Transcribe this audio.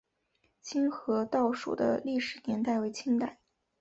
清河道署的历史年代为清代。